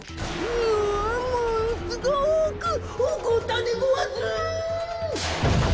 ものすごくおこったでごわす！